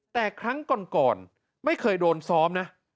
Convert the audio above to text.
แต่ครั้งก่อนไม่เคยโดนซ้อมนะ